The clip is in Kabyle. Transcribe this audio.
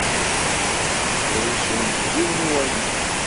Ttεicen deg yiwen uwanek.